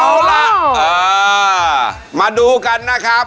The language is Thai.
เอาล่ะมาดูกันนะครับ